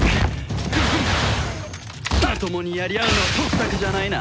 まともにやり合うのは得策じゃないな。